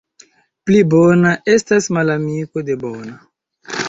Pli bona — estas malamiko de bona.